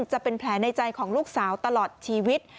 จะเป็นแผลในใจของลูกสาวตลอดชีวิต